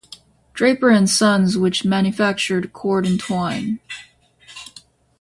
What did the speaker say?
Draper and Sons which manufactured cord and twine.